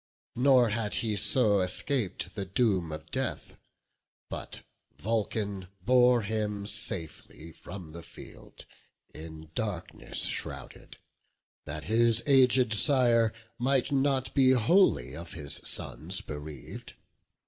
Nor had he so escap'd the doom of death, But Vulcan bore him safely from the field, In darkness shrouded, that his aged sire Might not be wholly of his sons bereav'd.